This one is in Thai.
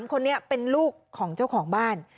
คนนี้เป็นลูกของเจ้าของบ้าน